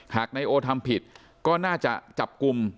หากนายโอทำผิดก็น่าจะจับกลุ่ม